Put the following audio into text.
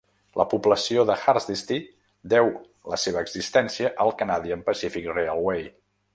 La població de Hardisty deu la seva existència al Canadian Pacific Railway.